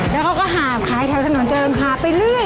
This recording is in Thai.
แล้วเขาก็หาบขายแถวถนนเจิงหาไปเรื่อย